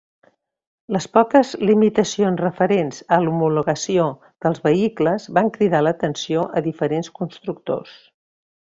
Les poques limitacions referents a l'homologació dels vehicles van cridar l'atenció a diferents constructors.